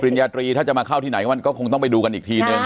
ญาตรีถ้าจะมาเข้าที่ไหนมันก็คงต้องไปดูกันอีกทีนึง